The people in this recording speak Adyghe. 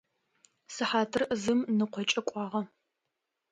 Сыхьатыр зым ныкъокӏэ кӏуагъэ.